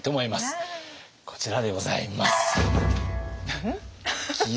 こちらでございます。